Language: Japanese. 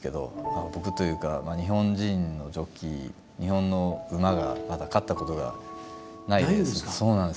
僕というか日本人のジョッキー日本の馬がまだ勝ったことがないんです。